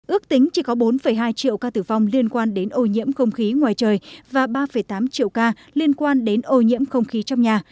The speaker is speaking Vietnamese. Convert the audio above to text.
ước tính chỉ có bốn hai triệu ca tử vong liên quan đến ô nhiễm không khí ngoài trời và ba tám triệu ca liên quan đến ô nhiễm không khí trong nhà